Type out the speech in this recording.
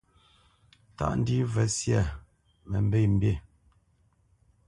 Tâʼ ndî və syâ mə mbê mbî.